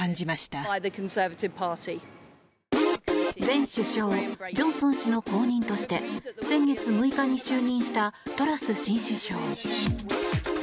前首相ジョンソン氏の後任として先月６日に就任したトラス新首相。